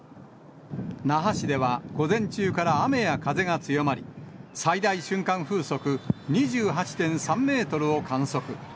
那覇市では午前中から雨や風が強まり、最大瞬間風速２８．３メートルを観測。